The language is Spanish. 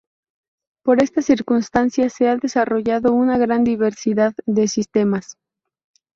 Por esta circunstancia se ha desarrollado una gran diversidad de sistemas.